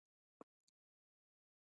غوسه کول عقل کموي